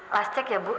last check ya bu